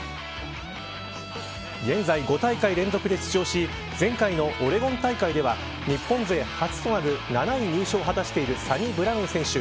現在５大会連続で出場し前回のオレゴン大会では日本勢初となる７位入賞を果たしているサニブラウン選手。